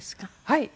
はい。